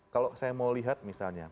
kalau saya mau lihat misalnya